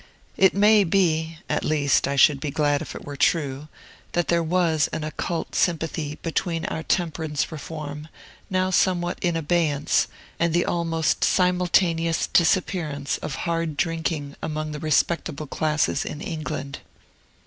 It may be (at least, I should be glad if it were true) that there was an occult sympathy between our temperance reform, now somewhat in abeyance, and the almost simultaneous disappearance of hard drinking among the respectable classes in England.